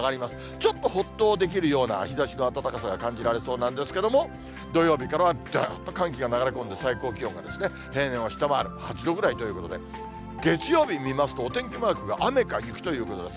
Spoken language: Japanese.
ちょっとほっとできるような日ざしの暖かさが感じられそうなんですけれども、土曜日からはだーっと寒気が流れ込んで、最高気温が平年を下回る、８度ぐらいということで、月曜日見ますと、お天気マークが雨か雪ということです。